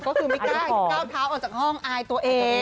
ก็คือไม่กล้าก้าวเท้าออกจากห้องอายตัวเอง